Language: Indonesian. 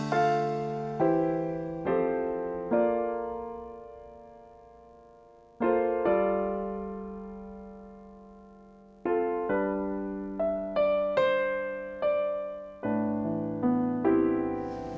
aku sendirian lagi